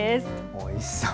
おいしそう。